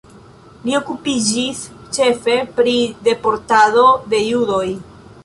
Li okupiĝis ĉefe pri deportado de judoj.